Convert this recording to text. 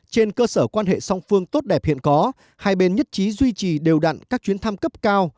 trên cơ sở quan hệ song phương tốt đẹp hiện có hai bên nhất trí duy trì đều đặn các chuyến thăm cấp cao